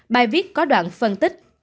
bài viết có đoạn phân tích